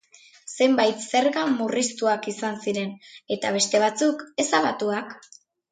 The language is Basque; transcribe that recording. Zenbait zerga murriztuak izan ziren eta beste batzuk ezabatuak.